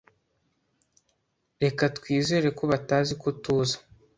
Reka twizere ko batazi ko tuza.